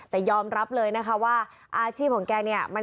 แต่ยอมรับเลยนะคะว่า